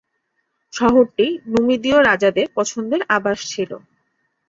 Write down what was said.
শহরটি নুমিদীয় রাজাদের পছন্দের আবাস ছিল।